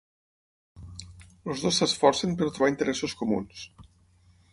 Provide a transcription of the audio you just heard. Els dos s'esforcen per trobar interessos comuns.